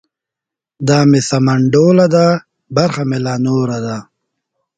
ـ دا مې سمنډوله ده برخه مې لا نوره ده.